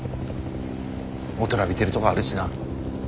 大人びてるとこあるしな。